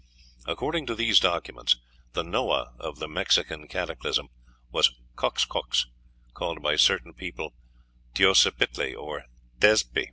According to these documents, the Noah of the Mexican cataclysm was Coxcox, called by certain peoples Teocipactli or Tezpi.